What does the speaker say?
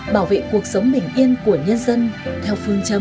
bảo vệ cuộc sống bình yên của nhân dân theo phương châm